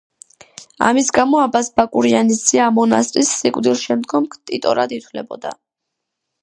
ამის გამო აბაზ ბაკურიანის ძე ამ მონასტრის სიკვდილშემდგომ ქტიტორად ითვლებოდა.